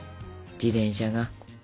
自転車が。